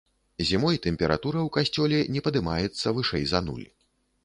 Зімой тэмпература ў касцёле не падымаецца вышэй за нуль.